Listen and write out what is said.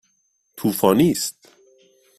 طوفانی است.